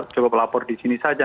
coba melapor di sini saja